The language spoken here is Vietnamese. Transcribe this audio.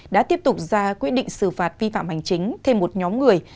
đã tiếp tục ra quyết định xử phạt vi phạm hành chính thêm một nhóm người